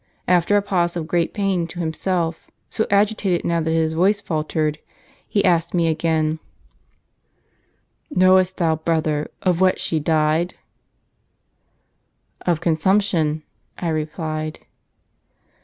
After a pause of great pain to himself, so agitated now that his voice faltered, he asked me again :' Knowest thou, brother, of what she died?' 'Of consumption,' I replied.